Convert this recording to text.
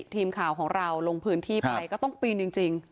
ทีมข่าวของเราลงพื้นที่ไปก็ต้องปีนจริง